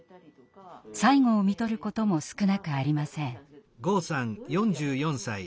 最期を看取ることも少なくありません。